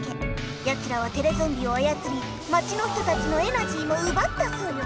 やつらはテレゾンビをあやつり町の人たちのエナジーもうばったソヨ！